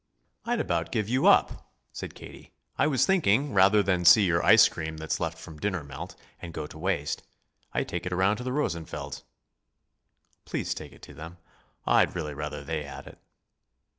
"I'd about give you up," said Katie. "I was thinking, rather than see your ice cream that's left from dinner melt and go to waste, I'd take it around to the Rosenfelds." "Please take it to them. I'd really rather they had it."